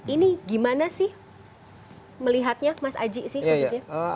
ini gimana sih melihatnya mas haji sih